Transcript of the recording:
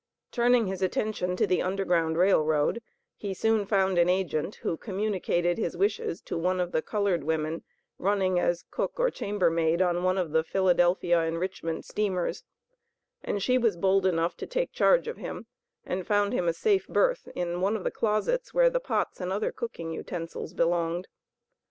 Turning his attention to the Underground Rail Road, he soon found an agent who communicated his wishes to one of the colored women running as cook or chambermaid on one of the Philadelphia and Richmond steamers, and she was bold enough to take charge of him, and found him a safe berth in one of the closets where the pots and other cooking utensils belonged.